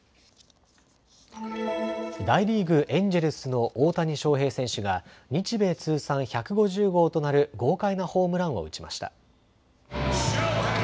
大リーグ、エンジェルスの大谷翔平選手が日米通算１５０号となる豪快なホームランを打ちました。